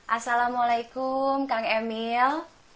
assalamualaikum kang emil